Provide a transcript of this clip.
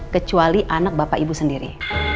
kecuali anak bapak ibu sendiri